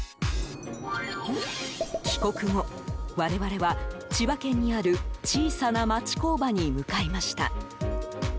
帰国後、我々は千葉県にある小さな町工場に向かいました。